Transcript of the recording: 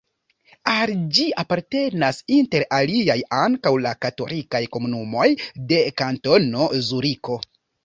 Al ĝi apartenas inter aliaj ankaŭ la katolikaj komunumoj de Kantono Zuriko.